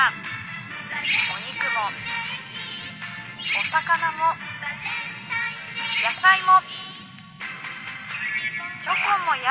「お魚も野菜も」。